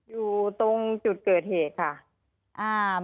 อยู่ตรงจุดเกิดเหตุค่ะ